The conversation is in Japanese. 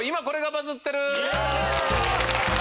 バズってる！